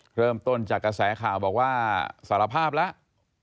เริ่มต้นจากกระแสข่าวบอกว่าสารภาพแล้ว